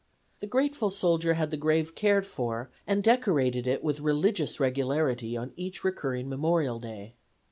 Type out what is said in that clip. The grateful soldier had the grave cared for, and decorated it with religious regularity on each recurring Memorial Day.